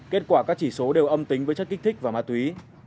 kết quả các chỉ số đều âm tính với chất kích thích và ma túy